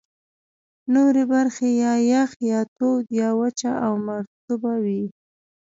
نورې برخې یا یخ، یا تود، یا وچه او مرطوبه وې.